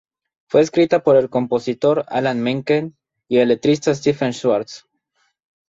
Fue escrita por el compositor Alan Menken y el letrista Stephen Schwartz.